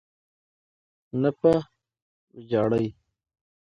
نه په ویجاړۍ.